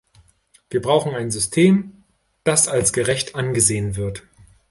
Wir brauchen ein System, das als gerecht angesehen wird.